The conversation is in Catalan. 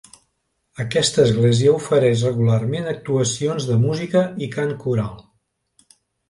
Aquesta església ofereix regularment actuacions de música i cant coral.